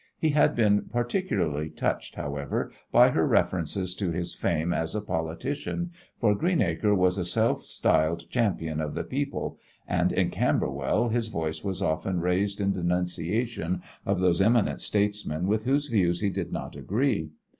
He had been particularly touched, however, by her references to his fame as a politician, for Greenacre was a self styled champion of the people, and in Camberwell his voice was often raised in denunciation of those eminent statesmen with whose views he did not agree.